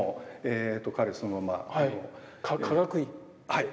はい。